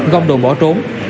gom đồ bỏ trốn